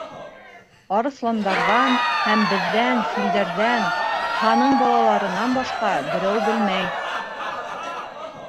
— Арыҫландарҙан һәм беҙҙән, филдәрҙән — Тһаның балаларынан — башҡа берәү белмәй.